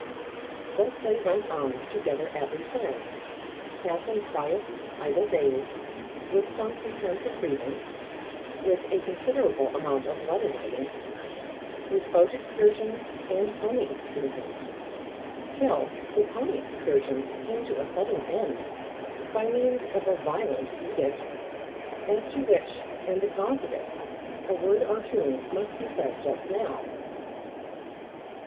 Thus they went on together at Lucerne, passing quiet, idle days, with some pretence of reading, with a considerable amount of letter writing, with boat excursions and pony excursions, till the pony excursions came to a sudden end by means of a violent edict, as to which, and the cause of it, a word or two must be said just now.